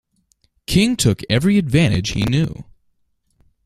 King took every advantage he knew.